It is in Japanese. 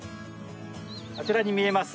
あちらに見えます